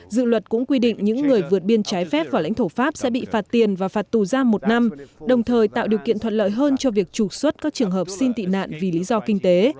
dự luật cũng quy định những người vượt biên trái phép vào lãnh thổ pháp sẽ bị phạt tiền và phạt tù giam một năm đồng thời tạo điều kiện thuận lợi hơn cho việc trục xuất các trường hợp xin tị nạn vì lý do kinh tế